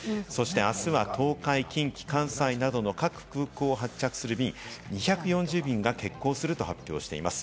あすは東海、近畿、関西などの各空港を発着する便、２４０便が欠航すると発表しています。